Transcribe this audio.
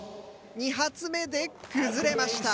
２発目で崩れました。